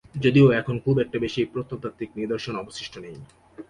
যদিও এখন খুব একটা বেশি প্রত্নতাত্ত্বিক নিদর্শন অবশিষ্ট নেই।